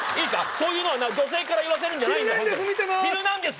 そういうのはな女性から言わせるんじゃないんだ「ヒルナンデス！」